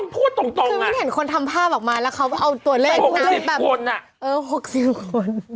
พูดตรงอะคือไม่เห็นคนทำภาพออกมาแล้วเขาเอาตัวเลขนั้นหกสิบคนอะเออหกสิบคน